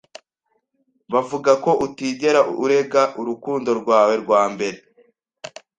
Bavuga ko utigera urenga urukundo rwawe rwa mbere.